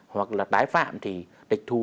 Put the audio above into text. hoặc là tái phạm thì tịch thu